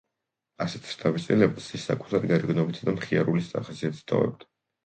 ასეთ შთაბეჭდილებას ის საკუთარი გარეგნობითა და მხიარული ხასიათით ტოვებდა.